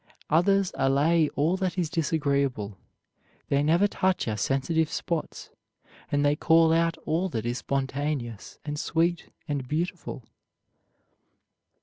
Others allay all that is disagreeable. They never touch our sensitive spots, and they call out all that is spontaneous and sweet and beautiful.